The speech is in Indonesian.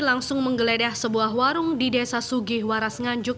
langsung menggeledah sebuah warung di desa sugih waras nganjuk